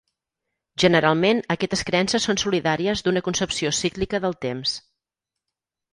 Generalment, aquestes creences són solidàries d'una concepció cíclica del temps.